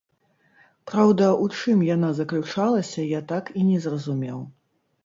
Праўда, у чым яна заключалася, я так і не зразумеў.